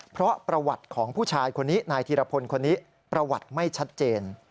เพราะประวัติของผู้ชายคนนี้นายธีรพลคนนี้ประวัติไม่ชัดเจน